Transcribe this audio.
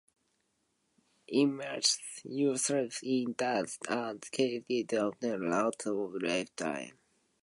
"Immerse yourself in dance and create memories to last a lifetime."